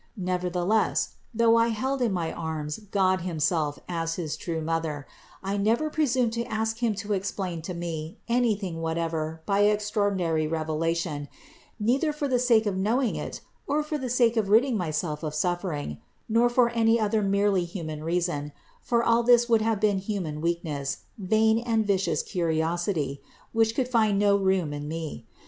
Nevertheless, though I held in my arms God himself as his true Mother, I never presumed to ask Him to explain to me anything whatever by extraordinary revelation, neither for the sake of knowing it or for the sake of ridding myself of suffering, nor for any other merely human reason ; for all this would have been human weak ness, vain and vicious curiosity, which could find no room in me.